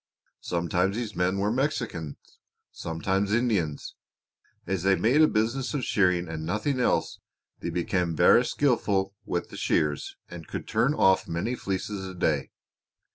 Sometimes these men were Mexicans, sometimes Indians. As they made a business of shearing and nothing else they became verra skilful with the shears and could turn off many fleeces a day.